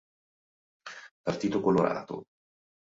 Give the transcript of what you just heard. Partito Colorato